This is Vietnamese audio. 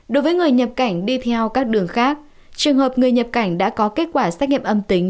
đối với người nhập cảnh đi theo các đường khác trường hợp người nhập cảnh đã có kết quả xét nghiệm âm tính